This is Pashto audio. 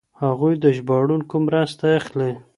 هغوی د ژباړونکو مرسته اخلي.